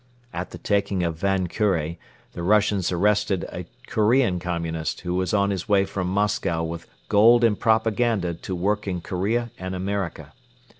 At the taking of Van Kure the Russians arrested a Korean Communist who was on his way from Moscow with gold and propaganda to work in Korea and America.